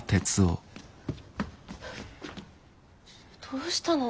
どうしたの？